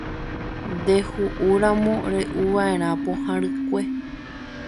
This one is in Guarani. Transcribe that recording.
Ndehu'úramo re'uva'erã pohã rykue.